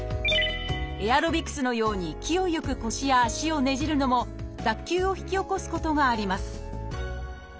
エアロビクスのように勢いよく腰や足をねじるのも脱臼を引き起こすことがあります